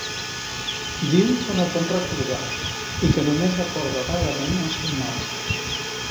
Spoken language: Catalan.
Diu que no pot recordar i que només recorda vagament el seu nom.